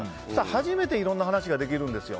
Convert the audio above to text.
初めていろんな話ができるんですよ。